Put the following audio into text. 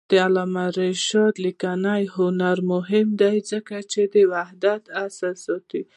د علامه رشاد لیکنی هنر مهم دی ځکه چې وحدت اصل ساتي.